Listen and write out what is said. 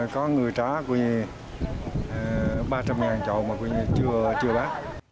có người trả ba trăm linh trậu mà chưa bán